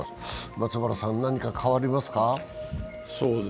松原さん、何か変わりますか？